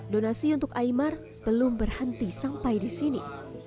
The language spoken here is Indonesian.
donasi untuk imar belum berhenti sampai di sini